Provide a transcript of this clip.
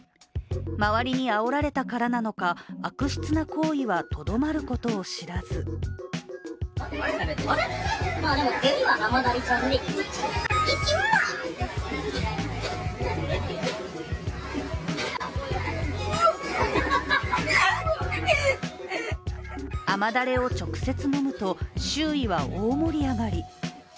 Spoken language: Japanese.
周りにあおられたからなのか悪質な行為は、とどまることを知らず甘ダレを直接飲むと、周囲は大盛り上がり。